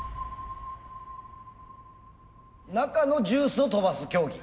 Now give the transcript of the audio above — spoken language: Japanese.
中のジュースを飛ばす競技？